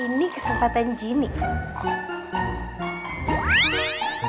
ini kesempatan jeannie